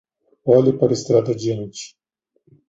Olhe para a estrada adiante